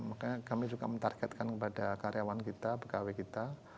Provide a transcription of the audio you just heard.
makanya kami juga menargetkan kepada karyawan kita pegawai kita